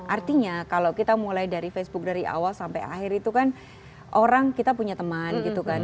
artinya kalau kita mulai dari facebook dari awal sampai akhir itu kan orang kita punya teman gitu kan